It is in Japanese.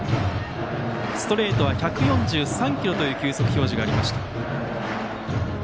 ストレートは１４３キロという球速表示がありました。